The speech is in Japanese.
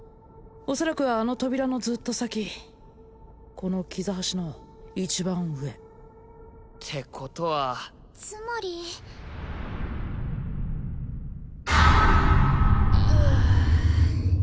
おそらくはあの扉のずっと先この階の一番上てことはつまりああ